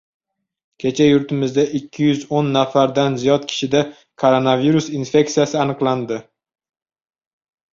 Kecha yurtimizda ikki yuz o'n nafardan ziyod kishida koronavirus infeksiyasi aniqlandi